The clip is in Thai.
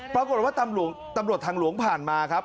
ปรากฏว่าตำรวจทางหลวงผ่านมาครับ